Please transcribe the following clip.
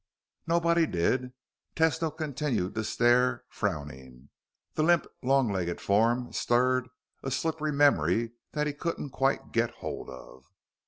Nobody did. Tesno continued to stare, frowning. The limp, long legged form stirred a slippery memory that he couldn't quite get hold of.